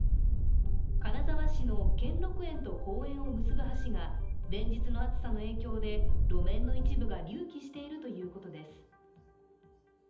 金沢市の兼六園と公園を結ぶ橋が連日の暑さの影響で、路面の一部が隆起しているということです。